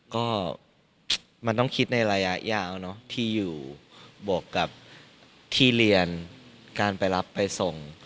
ก็มันต้องคิดในระยะยาวเนอะที่อยู่บวกกับที่เรียนการไปรับไปส่ง